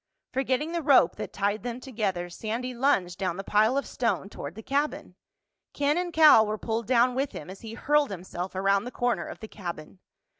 Forgetting the rope that tied them together, Sandy lunged down the pile of stone toward the cabin. Ken and Cal were pulled down with him as he hurled himself around the corner of the cabin.